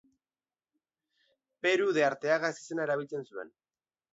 Peru de Arteaga ezizena erabiltzen zuen.